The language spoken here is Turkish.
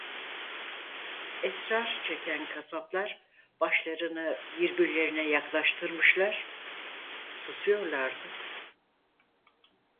Esrar çeken kasaplar başlarını birbirlerine yaklaştırmışlar; susuyorlardı.